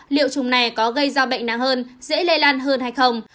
liệu trùng này có gây ra bệnh nặng hơn dễ lây lan hơn hay không